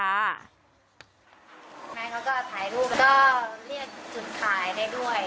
แม่เขาก็ถ่ายรูปแล้วก็เรียกจุดถ่ายได้ด้วย